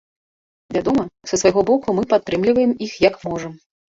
Вядома, са свайго боку мы падтрымліваем іх як можам.